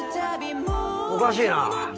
おかしいな。